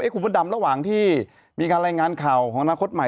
คุณพระดำระหว่างที่มีการรายงานข่าวของอนาคตใหม่